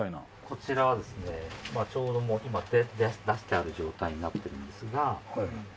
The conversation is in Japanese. こちらはですねちょうど今出してある状態になってるんですが。